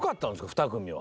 ２組は。